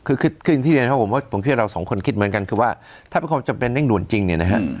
คือคืออย่างที่เรียนครับผมว่าผมคิดว่าเราสองคนคิดเหมือนกันคือว่าถ้าเป็นความจำเป็นเร่งด่วนจริงเนี่ยนะฮะ